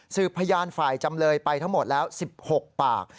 พยานฝ่ายจำเลยไปทั้งหมดแล้ว๑๖ปาก